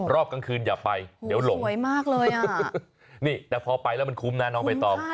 รอบกลางคืนอย่าไปเดี๋ยวหลงนี่แต่พอไปแล้วมันคุ้มนะน้องใบตอม